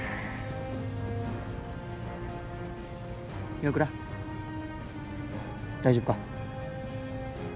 岩倉、大丈夫か？